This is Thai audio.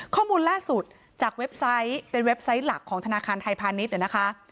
ข้อมูลล่าสุดจากเว็บไซต์เป็นเว็บไซต์หลักของธนาคารไทยพาณิชย์นะคะ